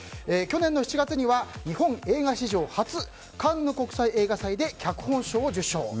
去年７月には日本映画史上初カンヌ国際映画祭で脚本賞を受賞。